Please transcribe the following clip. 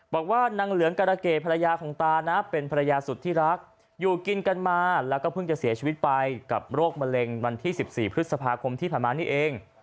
บอกว่านางเหลืองการะเกดภรรยาของตานะเป็นภรรยาสุดที่รักอยู่กินกันมาแล้วก็เพิ่งจะเสียชีวิตไปกับโรคมะเร็งวันที่๑๔พฤษภาคมที่ผ่านมานี่เอง